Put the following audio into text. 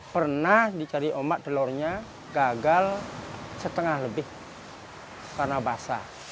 pernah dikari obat telurnya gagal setengah lebih karena basah